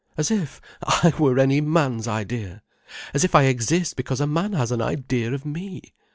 As if I were any man's idea! As if I exist because a man has an idea of me!